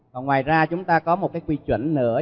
và ngoài ra chúng ta có một cái quy chuẩn nữa